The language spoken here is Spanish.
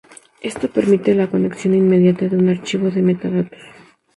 Esto permite la conexión inmediata de un archivo de metadatos.